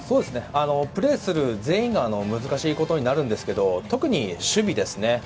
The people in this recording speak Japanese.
プレーする全員が難しいことになるんですが特に守備ですね。